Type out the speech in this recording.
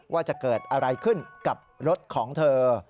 ว่าจะเกิดอะไรขึ้นกับรถของเธอ